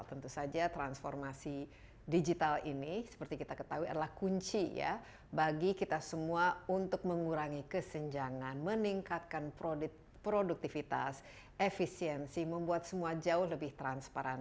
tentu saja transformasi digital ini seperti kita ketahui adalah kunci ya bagi kita semua untuk mengurangi kesenjangan meningkatkan produktivitas efisiensi membuat semua jauh lebih transparan